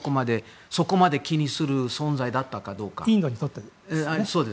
そこまで気にする存在だったかどうか。